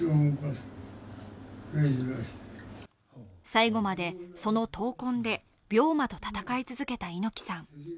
最後までその闘魂で病魔と闘い続けた猪木さん。